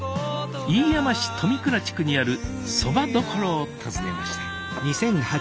飯山市富倉地区にあるそばどころを訪ねました